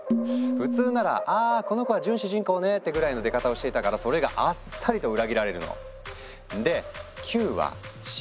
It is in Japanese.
普通ならあこの子が準主人公ねってぐらいの出方をしていたからそれがあっさりと裏切られるの。